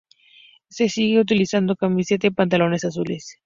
Se sigue utilizando camiseta y pantalones azules.